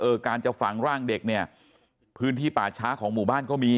เออการจะฝั่งร่างเด็กพื้นที่ปลาช้าของหมู่บ้านก็มี